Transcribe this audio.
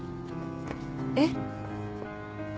えっ？